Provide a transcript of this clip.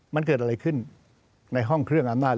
มันเกิดอะไรขึ้นในห้องเครื่องอำนาจ